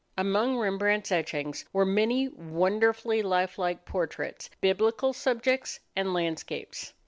Among Rembrandt's etchings were many wonderfully life like portraits, biblical subjects, and landscapes.